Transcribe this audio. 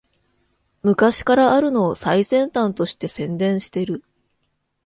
昔からあるのを最先端として宣伝してる